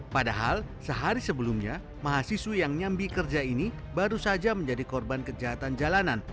padahal sehari sebelumnya mahasiswi yang nyambi kerja ini baru saja menjadi korban kejahatan jalanan